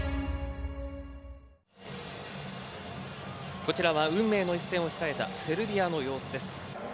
こちらは運命の一戦を控えたセルビアの様子です。